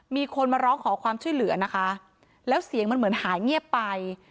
มีคนมาร้องขอความช่วยเหลือนะคะแล้วเสียงมันเหมือนหายเงียบไป